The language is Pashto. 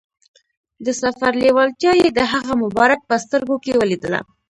د سفر لیوالتیا یې د هغه مبارک په سترګو کې ولیدله.